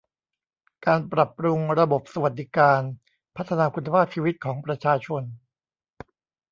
การปรับปรุงระบบสวัสดิการพัฒนาคุณภาพชีวิตของประชาชน